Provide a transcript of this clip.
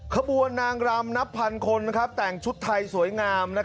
ขบวนนางรำนับพันคนแต่งชุดไทยสวยงาม